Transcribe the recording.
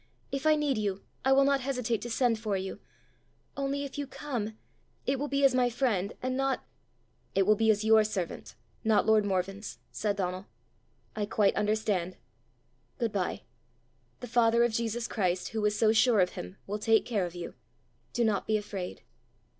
If I need you, I will not hesitate to send for you only if you come, it will be as my friend, and not " "It will be as your servant, not lord Morven's," said Donal. "I quite understand. Good bye. The father of Jesus Christ, who was so sure of him, will take care of you: do not be afraid."